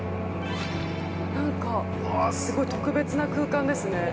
何か、すごい特別な空間ですね。